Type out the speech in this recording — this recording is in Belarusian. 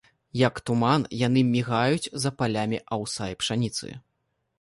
Як туман, яны мігаюць за палямі аўса і пшаніцы.